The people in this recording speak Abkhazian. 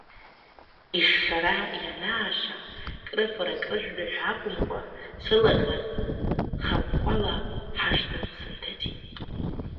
Ишшара ианааша, крыфара-крыжәра ҳәа акәымкәа, сылаӷырӡ хаҟәҟәала ҳашҭа сынҭыҵит.